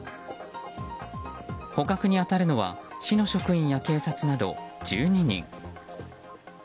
捕獲に当たるのは市の職員や警察など１２人。